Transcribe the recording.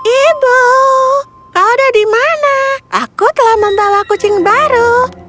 ibu kau ada di mana aku telah membawa kucing baru